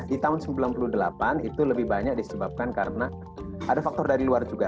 di tahun seribu sembilan ratus sembilan puluh delapan itu lebih banyak disebabkan karena ada faktor dari luar juga